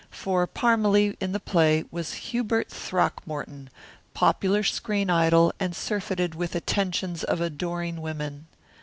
For Parmalee in the play was Hubert Throckmorton, popular screen idol and surfeited with the attentions of adoring women.